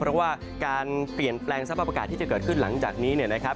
เพราะว่าการเปลี่ยนแปลงทรัพย์ประกาศที่จะเกิดขึ้นหลังจากนี้นะครับ